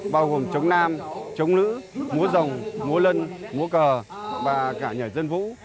bao gồm chống nam chống nữ múa rồng múa lân múa cờ và cả nhảy dân vũ